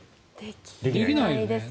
できないですね。